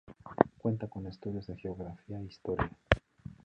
Cuenta con estudios de Geografía e Historia.